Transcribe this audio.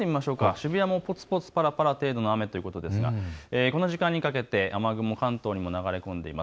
渋谷もぽつぽつ、ぱらぱらぐらいの雨ということですがこの時間にかけて雨雲、関東に流れ込んでいます。